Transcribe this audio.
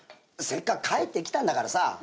せっかく帰ってきたんだからさ。